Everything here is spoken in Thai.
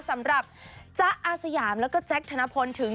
สำหรับจ๊ะอาสยามแล้วก็แจ๊คธนพลถึง